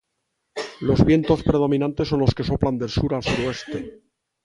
Los vientos predominantes son los que soplan de sur a suroeste.